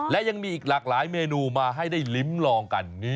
และยังมีอีกหลากหลายเมนูมาให้ได้ลิ้มลองกัน